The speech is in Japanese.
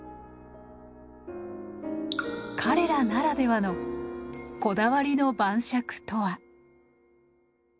彼らならではのこだわりの晩酌とは？